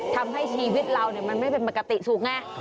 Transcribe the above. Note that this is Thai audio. ทำให้ชีวิตเราเนี่ยมันไม่เป็นปกติสูงแง่